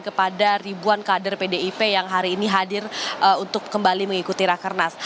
kepada ribuan kader pdip yang hari ini hadir untuk kembali mengikuti rakernas